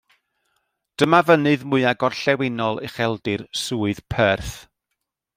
Dyma fynydd mwya gorllewinol ucheldir Swydd Perth.